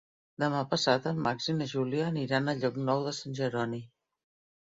Demà passat en Max i na Júlia aniran a Llocnou de Sant Jeroni.